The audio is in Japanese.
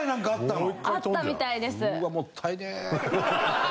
うわっもったいねえ。